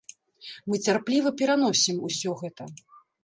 Мы цярпліва пераносім усё гэта.